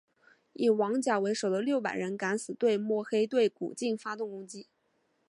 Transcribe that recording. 以王甲为首的六百人敢死队摸黑对古晋发动攻击。